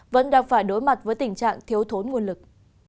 vẫn đang phải đối mặt với tình trạng thiếu thốn nguồn lực